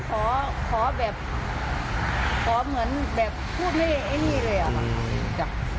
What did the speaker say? ใช่ขอเหมือนแบบพูดให้ไอ้นี่เลยอะ